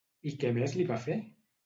I què més li va fer?